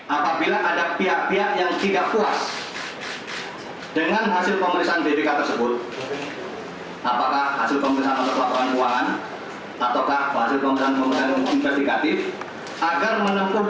apabila ada pihak pihak yang tidak puas dengan hasil pemeriksaan bpk tersebut